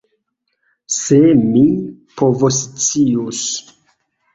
Se mi povoscius!